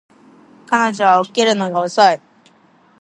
彼女は起きるのが遅い